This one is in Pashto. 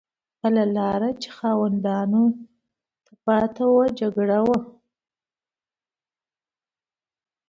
بله لار چې خاوندانو ته پاتې وه جګړه وه.